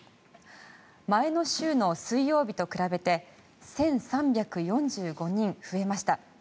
前の週の水曜日と比べて１３４５人増えました。